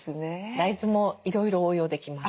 大豆もいろいろ応用できます。